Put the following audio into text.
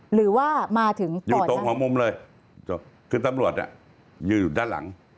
หรือว่ามาถึงอยู่ตรงหัวมุมเลยจบคือตำรวจยืนอยู่ด้านหลัง